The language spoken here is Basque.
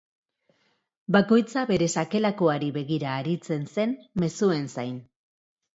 Bakoitza bere sakelakoari begira aritzen zen, mezuen zain.